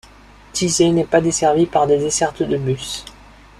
Thizay n'est pas desservie par des dessertes de bus.